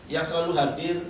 yang selalu hadir